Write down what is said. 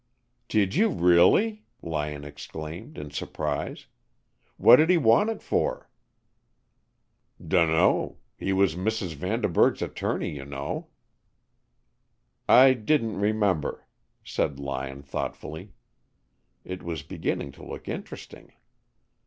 "Did you, really?" Lyon exclaimed in surprise. "What did he want it for?" "Dunno. He was Mrs. Vanderburg's attorney, you know." "I didn't remember," said Lyon thoughtfully. It was beginning to look interesting.